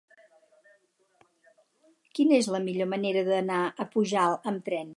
Quina és la millor manera d'anar a Pujalt amb tren?